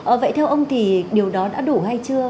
ở vậy theo ông thì điều đó đã đủ hay chưa